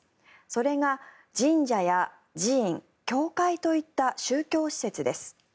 それが神社や寺院、教会といった宗教施設です。